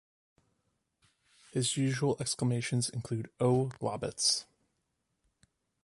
His usual exclamations include Oh, Globbits!